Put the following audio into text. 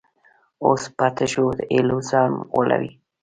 اوس په تشو هیلو ځان غولوي.